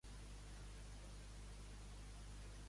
Per filar es fa córrer tant la llengua com la mà.